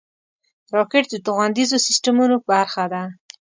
راکټ د توغندیزو سیسټمونو برخه ده